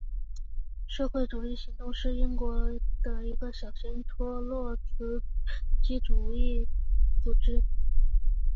社会主义行动是英国的一个小型托洛茨基主义组织。